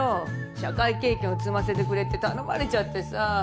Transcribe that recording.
社会経験を積ませてくれって頼まれちゃってさ。